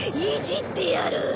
いじってやる！